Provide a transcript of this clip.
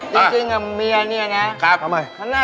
จริงอะเมียนี่นะ